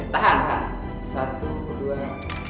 tahan kan satu dua oke